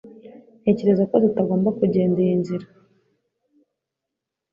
Ntekereza ko tutagomba kugenda iyi nzira